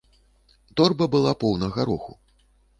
Торба была поўна гароху.